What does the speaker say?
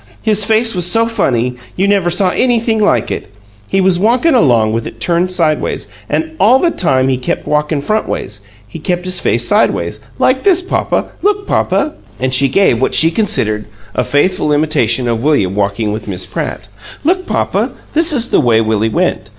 "His face was so funny, you never saw anything like it! He was walkin' along with it turned sideways, an' all the time he kept walkin' frontways, he kept his face sideways like this, papa. Look, papa!" And she gave what she considered a faithful imitation of William walking with Miss Pratt. "Look, papa! This is the way Willie went.